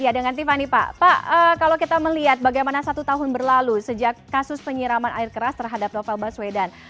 ya dengan tiffany pak pak kalau kita melihat bagaimana satu tahun berlalu sejak kasus penyiraman air keras terhadap novel baswedan